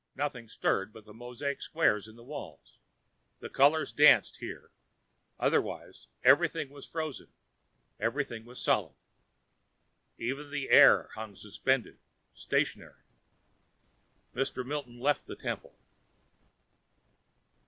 Nothing stirred but the mosaic squares in the walls. The colors danced here; otherwise, everything was frozen, everything was solid. Even the air hung suspended, stationary. Mr. Milton left the temple....